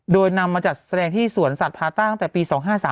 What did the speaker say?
โดยนำมาจัดแสดงที่สวนสัตว์พาตั้งแต่ปี๒๕๓